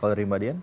kalau rimba dian